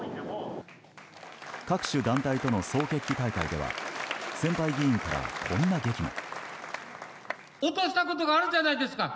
各種団体との総決起大会では先輩議員からこんなげきも。